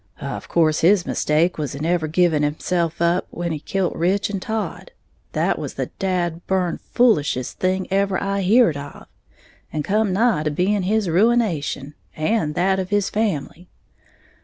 Of course his mistake was in ever givin' himself up when he kilt Rich and Todd, that was the dad burn foolishest thing ever I heared of, and come nigh being his ruination, and that of his family.